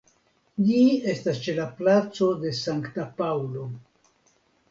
Ĝi estas ĉe la Placo de Sankta Paŭlo.